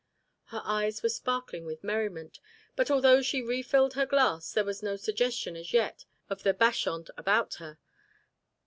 Her eyes were sparkling with merriment; but although she refilled her glass, there was no suggestion as yet of the bacchante about her.